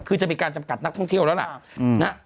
คือจะมีการจำกัดนักท่องเที่ยวแล้วล่ะ